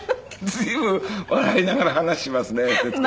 随分笑いながら話しますね徹子さん。